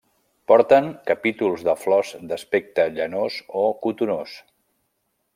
Porten capítols de flors d'aspecte llanós o cotonós.